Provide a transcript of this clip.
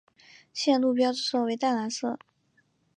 线路标志色为淡蓝色。